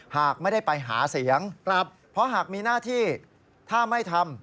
หากไม่ได้ไปหาเสียงเพราะหากมีหน้าที่ถ้าไม่ทำ